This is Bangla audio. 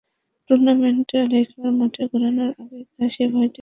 টুর্নামেন্টটা আরেকবার মাঠে গড়ানোর আগে তাই সেই ভয়টা ফিরে আসতে বাধ্য।